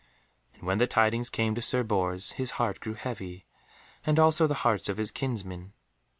And when the tidings came to Sir Bors, his heart grew heavy, and also the hearts of his kinsmen.